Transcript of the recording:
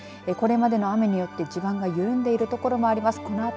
これまでの雨によって地盤が緩んでいる所もあります。